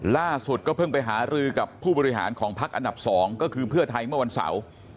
ล่าสุดก็เพิ่งไปหารือกับผู้บริหารของพักอันดับ๒ก็คือเพื่อไทยเมื่อวันเสาร์